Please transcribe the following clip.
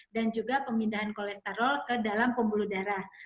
dan juga pemindahan kolesterol ke dalam pembuluh darah